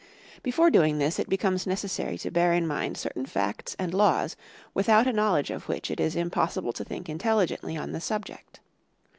Before doing this it becomes necessary to bear in mind certain facts and laws without a knowledge of which it is impossible to think intelligently on the subject.